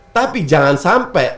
tapi jangan sampai